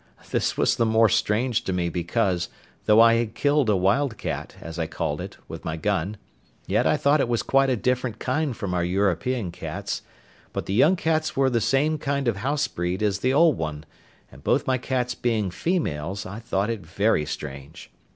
This was the more strange to me because, though I had killed a wild cat, as I called it, with my gun, yet I thought it was quite a different kind from our European cats; but the young cats were the same kind of house breed as the old one; and both my cats being females, I thought it very strange.